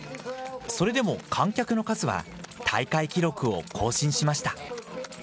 それでも観客の数は大会記録を更新しました。